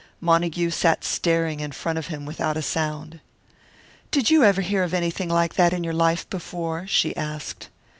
Montague sat staring in front of him, without a sound. "Did you ever hear of anything like that in your life before?" she asked.